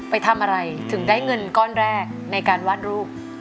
ไปทำอะไรถึงได้เงินก้อนแรกในการวาดรูป